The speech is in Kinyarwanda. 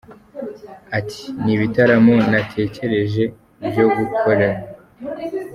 Ati, Ni ibitaramo natekereje byo gukorera.